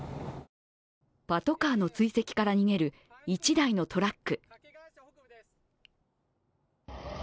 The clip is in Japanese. パトカーの追跡から逃げる１台のトラック。